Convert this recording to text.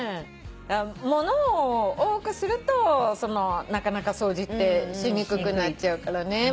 物を多くするとなかなか掃除ってしにくくなっちゃうからね。